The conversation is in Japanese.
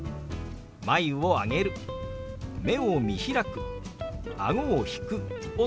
「眉を上げる」「目を見開く」「あごを引く」をつけて表しますよ。